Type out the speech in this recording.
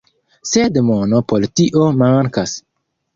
Sed mono por tio mankas.